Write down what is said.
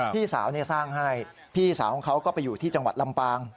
พี่สาวสร้างให้พี่สาวของเขาก็ไปอยู่ที่จังหวัดลำปาง